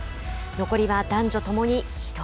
残りは男女ともに１人。